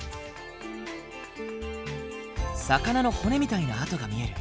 魚の骨みたいな跡が見える。